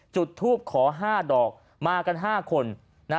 จุดทูปขอ๕ดอกมากัน๕คน